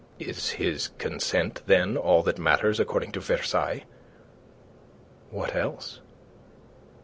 "Is his consent, then, all that matters, according to Versailles?" "What else?"